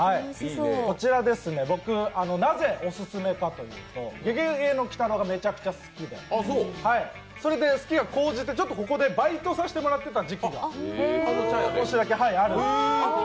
こちら、なぜオススメかというと、「ゲゲゲの鬼太郎」がめちゃくちゃ好きで、それで好きが高じて、ここでバイトさせていただいた時期が少しだけあるんです。